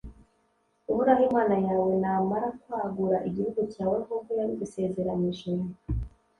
uhoraho imana yawe namara kwagura igihugu cyawe nk’uko yabigusezeranyije,